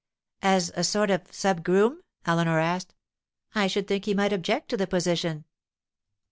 'As a sort of sub groom?' Eleanor asked. 'I should think he might object to the position.